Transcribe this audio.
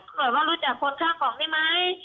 เหมือนว่ารู้จักคนข้างของได้ไหม